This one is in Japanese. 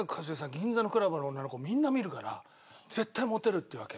銀座のクラブの女の子みんな見るから絶対モテる」って言うわけ。